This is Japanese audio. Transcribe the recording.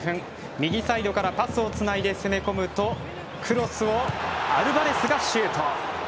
右サイドからパスをつないで攻め込むとクロスをアルバレスがシュート。